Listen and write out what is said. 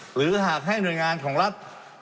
หรือหากให้หน่วยงานของรัฐ